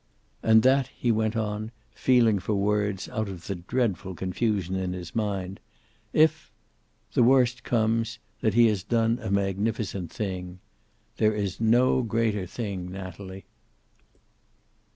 "And that," he went on, feeling for words out of the dreadful confusion in his mind, "if the worst comes, that he has done a magnificent thing. There is no greater thing, Natalie."